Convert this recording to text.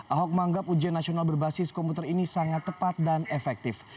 ahok menganggap ujian nasional berbasis komputer ini sangat tepat dan efektif